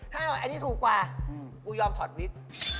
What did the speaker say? ถ้าอันนี้ถูกกว่ากูยอมถอดวิทย์